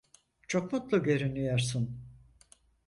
Çok mutlu görünüyorsun.